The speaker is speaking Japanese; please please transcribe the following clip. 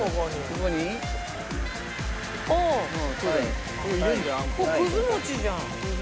これくず餅じゃん。